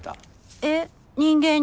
えっ人間に？